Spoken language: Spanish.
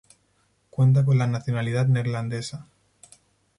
Cuenta con la nacionalidad neerlandesa.